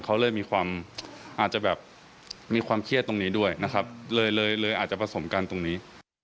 เขาเลยอาจจะมีความเครียดตรงนี้ด้วยนะครับเลยอาจประสงค์กันตรงนี้